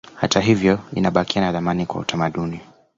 Hata hivyo inabakia na thamani kwa utamaduni